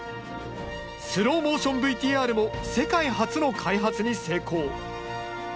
スローモーションＶＴＲも世界初の開発に成功。